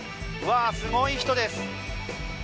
すごい人です。